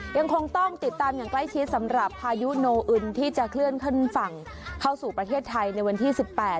ยังคงต้องติดตามอย่างใกล้ชิดสำหรับพายุโนอึนที่จะเคลื่อนขึ้นฝั่งเข้าสู่ประเทศไทยในวันที่สิบแปด